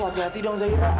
lo tuh hati hati dong zahirah